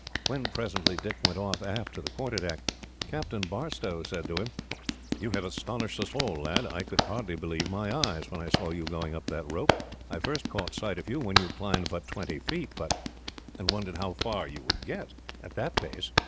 When, presently, Dick went aft to the quarterdeck, Captain Barstow said to him: "You have astonished us all, lad. I could hardly believe my eyes, when I saw you going up that rope. I first caught sight of you when you had climbed but twenty feet, and wondered how far you would get, at that pace.